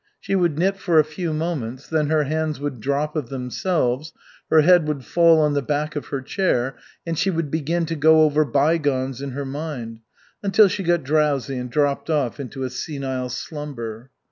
She would knit for a few moments, then her hands would drop of themselves, her head would fall on the back of her chair, and she would begin to go over bygones in her mind, until she got drowsy and dropped off into a senile slumber.